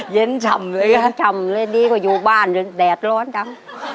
เย็นช่ำเลยครับเย็นช่ำเลยดีกว่าอยู่บ้านแดดร้อนจำ